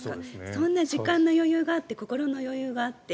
そんな時間の余裕があって心の余裕があって。